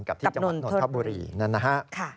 กับที่จังหวัดนนทบุรีนั่นนะฮะ